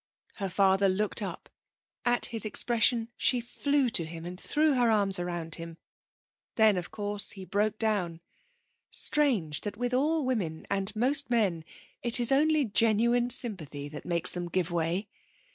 Her father looked up. At his expression she flew to him and threw her arms round him. Then, of course, he broke down. Strange that with all women and most men it is only genuine sympathy that makes them give way.